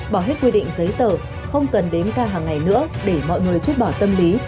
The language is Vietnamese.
bỏ hết quy định giấy tờ không cần đến ca hàng ngày nữa để mọi người chút bỏ tâm lý